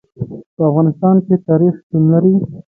په افغانستان کې تاریخ شتون لري.